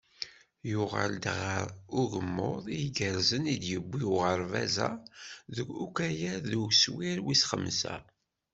Yuɣal-d ɣer ugemmuḍ i igerrzen i d-yewwi uɣerbaz-a deg ukayad n uswir wis xemsa.